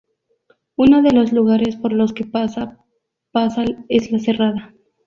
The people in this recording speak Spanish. Uno de los lugares por los que pasa pasa es la Serrada.